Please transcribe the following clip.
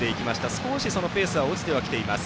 少しペースは落ちてきています。